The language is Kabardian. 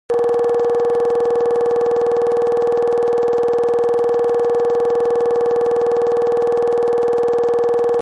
Гупыр лъэныкъуитӀу йоувыкӀ, зы лъэныкъуэр сэ си телъхьэщ, адрейр — мобы.